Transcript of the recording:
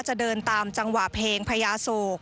จะเดินตามจังหวะเพลงพญาโศก